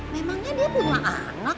memangnya dia punya anak